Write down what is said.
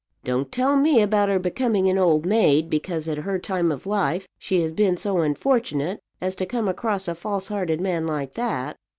Don't tell me about her becoming an old maid, because at her time of life she has been so unfortunate as to come across a false hearted man like that.